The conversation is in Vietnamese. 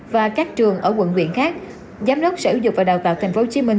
và các trường ở quận viện khác giám đốc sở dục và đào tạo thành phố hồ chí minh